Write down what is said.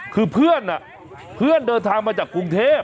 คือเพื่อนเพื่อนเดินทางมาจากกรุงเทพ